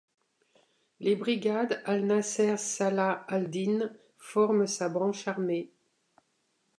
Les Brigades Al-Nasser Salah al-Din forment sa branche armée.